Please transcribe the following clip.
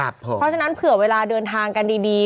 เพราะฉะนั้นเผื่อเวลาเดินทางกันดี